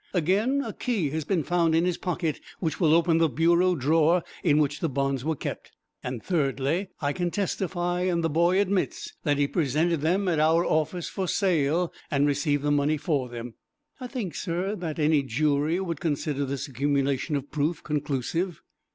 Again, a key has been found in his pocket, which will open the bureau drawer in which the bonds were kept; and, thirdly, I can testify, and the boy admits, that he presented them at our office for sale, and received the money for them. I think, sir, that any jury would consider this accumulation of proof conclusive."